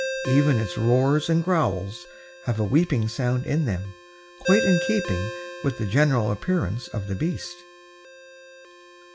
Even its roars and growls have a weeping sound in them, quite in keeping with the general appearance of the beast.